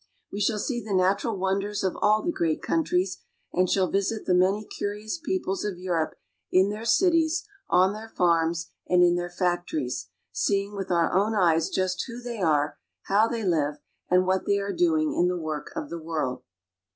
We shall see the natural wonders of all the great countries ; and shall visit the many curious peoples of Europe in their cities, on their farms, and in their factories, seeing with our own eyes just who they are, how they live, and what they are doing in the work of the world.